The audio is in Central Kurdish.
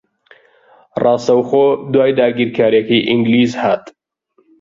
ڕاستەوخۆ دوای داگیرکارییەکەی ئینگلیز ھات